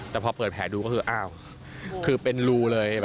แต่พอเปิดแผลดูก็คืออ้าวคือเป็นรูเลย